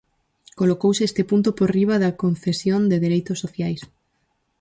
Colocouse este punto por riba da concesión de dereitos sociais.